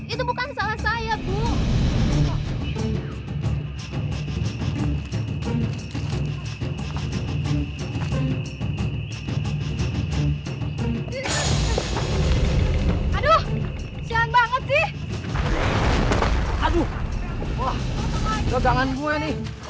ibu bangun ibu bangun